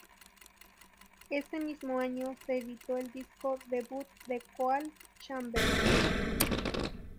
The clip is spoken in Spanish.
Ese mismo año, se editó el disco debut de Coal Chamber.